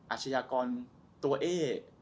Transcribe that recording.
อาชญากรตัวเอง